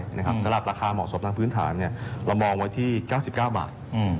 สำหรับราคาเหมาะสมทางพื้นฐานเรามองไว้ที่๙๙บาท